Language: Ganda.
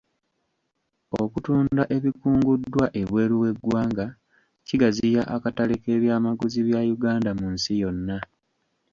Okutunda ebikunguddwa ebweru w'eggwanga kigaziya akatale k'eby'amaguzi bya uganda mu nsi yonna.